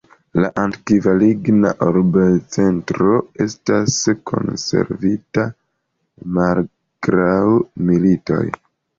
La antikva ligna urbocentro estas konservita malgraŭ militoj.